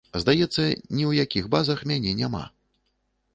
Здаецца, ні ў якіх базах мяне няма.